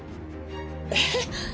えっ。